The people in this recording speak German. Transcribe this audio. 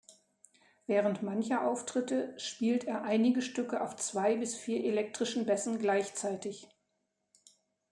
Während mancher Auftritte spielt er einige Stücke auf zwei bis vier elektrischen Bässen gleichzeitig.